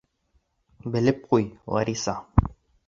Белеп ҡуй, Лариса.